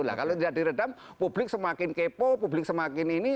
nah kalau tidak diredam publik semakin kepo publik semakin ini